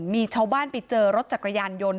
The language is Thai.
มีชาวบ้านไปเจอรถจักรยานยนต์